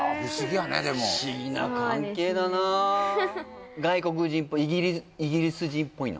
やねでも不思議な関係だな外国人っぽいイギリス人ぽいの？